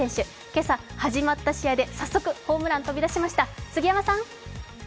今朝始まった試合で早速、ホームラン飛び出しました。